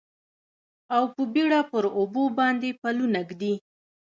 او په بیړه پر اوبو باندې پلونه ږدي